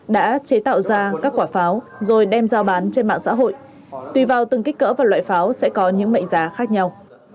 đã chế tạo ra các quả pháo rồi đem giao bán trên mạng xã hội tùy vào từng kích cỡ và loại pháo sẽ có những mệnh giá khác nhau